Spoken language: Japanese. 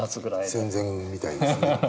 戦前みたいですね。